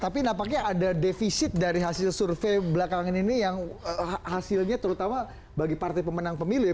tapi nampaknya ada defisit dari hasil survei belakangan ini yang hasilnya terutama bagi partai pemenang pemilu ya